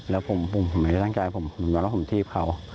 แล้วผมไม่ให้ตั้งใจผมพบถีบเขา